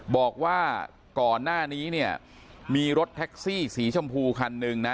บอกว่าก่อนหน้านี้เนี่ยมีรถแท็กซี่สีชมพูคันหนึ่งนะ